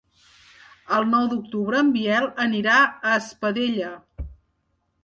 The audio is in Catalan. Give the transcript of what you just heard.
El nou d'octubre en Biel anirà a Espadella.